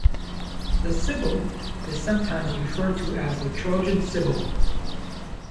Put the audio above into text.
The Sibyl is sometimes referred to as the Trojan Sibyl.